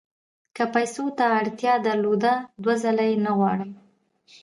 که پیسو ته اړتیا درلوده دوه ځله یې نه غواړم.